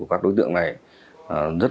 phòng đội bex